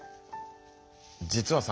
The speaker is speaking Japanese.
実はさ